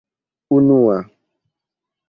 unua